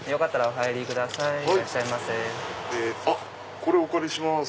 これお借りします。